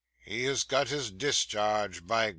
'He has got his discharge, by G